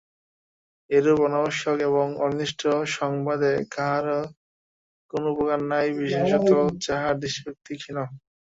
এরূপ অনাবশ্যক এবং অনির্দিষ্ট সংবাদে কাহারো কোনো উপকার নাই, বিশেষত যাহার দৃষ্টিশক্তি ক্ষীণ।